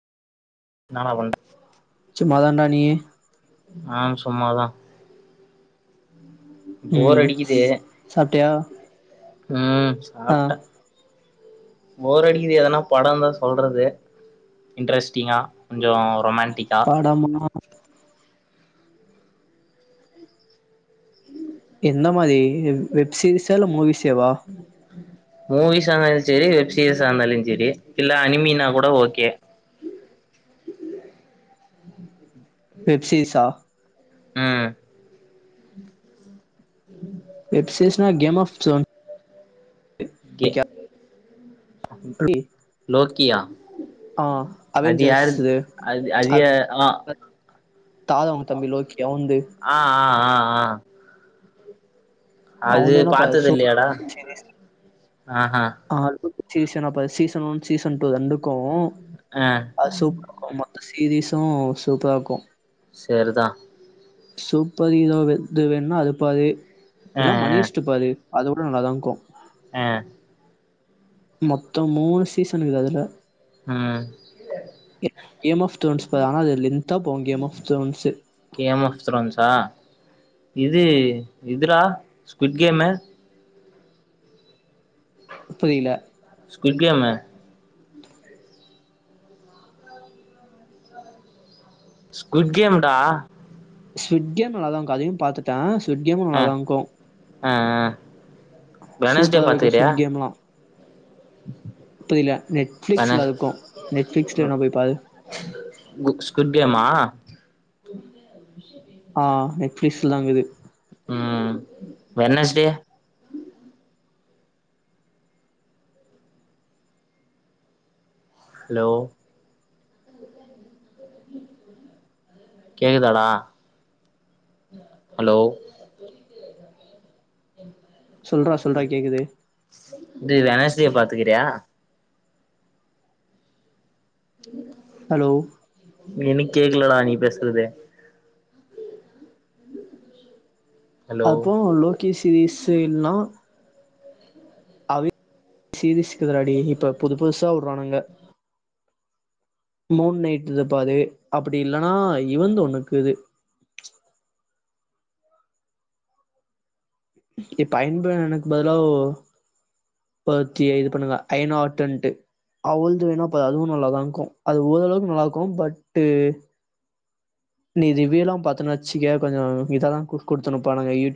நானா பண் சும்மாதாண்டா நீயி ஆ சும்மாதா போர் ம் அடிக்குது சாப்டயா ம் சாப்ட்ட போர் அடிக்குது எதனா படோ இர்ந்தா சொல்றதே இன்ட்ரெஸ்ட்டிங்கா கொஞ்சோ ரொமேன் படமுன்னா எந்த மாரி இது வெப் சீரீஸா இல்ல மூவிஸேவா மூவீஸா இருந்தாலு செரி வெப் சீரீஸா இருந்தாலு செரி இல்ல அனிமீனா கூட ஓகே வெப் சீரீஸ்ஸா ம் வெப்சீஸ் நா கேம் ஆஃப் சொன் [unintelligible] லோக் கியா ஆ அது அவெஞ்சர்ஸ் யாருது அது அது யா ஆ அவெஞ்சர் தாதா அவங்க தம்பி லோக்கி அவுன்து ஆ ஆ ஆ ஆ அது அவுன்தேனா பா பாத்தது சூப்பரா இல்லையாடா இருந்துச்சு சீரிஸ். ஆ ஹா சீசனப்ப சீசன் ஒன் சீசன் டூ ரெண்டுக்கோ ஆ அ சூப் இர்க்கோ ஆமா சீரீஸோ சூப்பரா இர்க்கோ சரிதா சூப்பர் ஹீரோ எது வேண்மா அது பாரு ஆ இல்லனா ஆ மனீஸ்ட்டுப்பாரு அது கூட நல்லாதாக்கோ ஆ மொத்தோ மூணு சீசன்னுக்குது அதுல ம் கே கேம் ஆஃப் ஸ்டோன்ஸு பாரு ஆனா அது லென்தா போகோ game of stones game of த்ரோன்ஸா இது இதுடா ஸ்குட் கேமு புரியல ஸ்குட் கேமு ஸ்குட் கேம்டா ஸ்க்விட் கேம் நல்லாதா இருக்கு அதையு பாத்துட்டே ஸ்க்விட் கேமும் நல்லாதான் இக்கும் ஆஹ் ஆஹ் சூப்பரா இருக்கு சுட் கேம்லா புரில நெட்பிளிக்ஸ்ல வெனஸ் இருக்கு நெட்பிளிக்ஸ்ல வேனா போய் பாரு கு ஸ்குவிட் [unintelligible] ஆ நெட்பிளிக்ஸ்லதா இருக்குது உம் வெனஸ்டே ஹலோ கேக்குதாடா ஹலோ சொல்றா சொல்றா கேக்குது டேய் வெனஸ்டே பாத்துக்றியா ஹலோ எனக்கு கேக்கலடா நீ பேசுறது ஹலோ அப்போ லோகேஸ்வரி [unintelligible] எல்லா [unintelligible] டேய் இப்போ புது புதுசா விட்றானுங்க மூன் நைட்ல பாரு அப்டி இல்லன்னா இவந்து ஒண்ணு இக்குது இப்ப [unintelligible] பதிலா ஒ பத்தி இது பண்ணுதா அயனாட்டன்ட்டு அவழ்து வேணா பார் அதுவு நல்லாதாருக்கு அது ஓரளவுக்கு நல்லா இருக்கு பட் நீ ரிவ்யூலா பாத்தன்னு வச்சுக்கயே கொஞ்ச இத தா குடுத்துனுருப்பாங்க யூ டி